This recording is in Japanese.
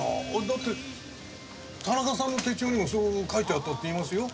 だって田中さんの手帳にもそう書いてあったっていいますよ。